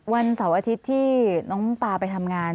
วันเสาร์อาทิตย์ที่น้องปลาไปทำงาน